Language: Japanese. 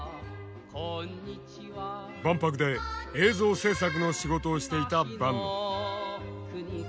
万博で映像制作の仕事をしていた坂野。